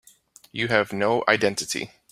You have no identity.